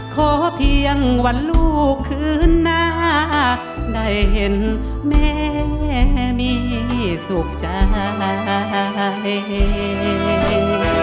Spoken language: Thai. ขอเพียงวันลูกคืนหน้าได้เห็นแม่มีสุขใจ